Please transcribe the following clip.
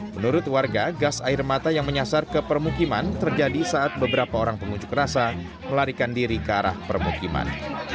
menurut warga gas air mata yang menyasar ke permukiman terjadi saat beberapa orang pengunjuk rasa melarikan diri ke arah permukiman